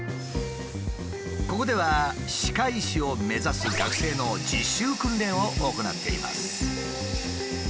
ここでは歯科医師を目指す学生の実習訓練を行っています。